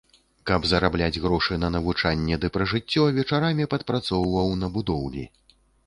Каб зарабляць грошы на навучанне ды пражыццё, вечарамі падпрацоўваў на будоўлі.